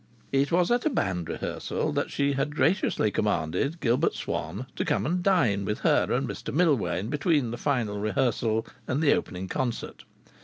It was at a band rehearsal that she had graciously commanded Gilbert Swann to come and dine with her and Mr Millwain between the final rehearsal and the opening concert.